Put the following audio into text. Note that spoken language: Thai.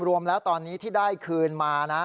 รวมแล้วตอนนี้ที่ได้คืนมานะ